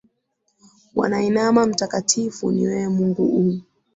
Wanainama, mtakatifu ni wewe Mungu uu.